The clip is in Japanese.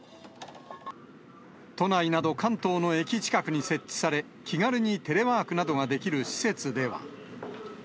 都内など関東の駅近くに設置され、気軽にテレワークなどができる施設では。